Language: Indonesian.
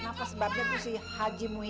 marah marah udah makna disini aja biar